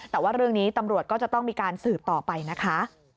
แต่ว่าเรื่องนี้ตำรวจก็จะต้องมีการสืบต่อไปนะคะ